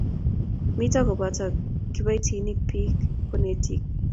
Mito koboto kiboitinikab biik konetik.